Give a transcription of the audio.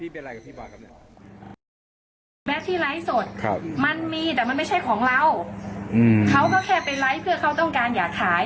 แล้วที่ไลฟ์สดมันมีแต่มันไม่ใช่ของเราเขาก็แค่ไปไลฟ์เพื่อเขาต้องการอยากขาย